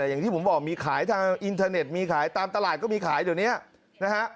อย่างที่ผมบอกมีขายทางอินเทอร์เน็ตมีขายตามตลาดก็มีขายเดี๋ยวนี้นะฮะ